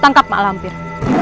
tangkap mak lampir